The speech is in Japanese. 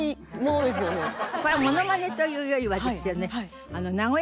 これはモノマネというよりはですね。